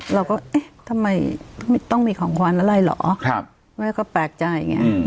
เราก็ต้องมีของขวัญอะไรหรอแล้วก็แปลกใจ